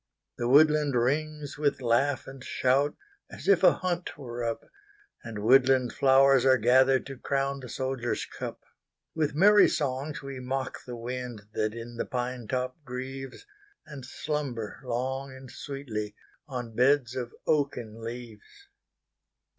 The woodland rings with laugh and shout, As if a hunt were up, And woodland flowers are gatheredTo crown the soldier's cup. With merry songs we mock the windThat in the pine top grieves, And slumber long and sweetlyOn beds of oaken leaves.